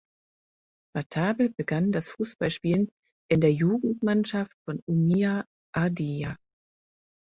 Watabe begann das Fußballspielen in der Jugendmannschaft von Omiya Ardija.